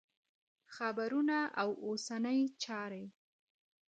خبرونه او اوسنۍ چارې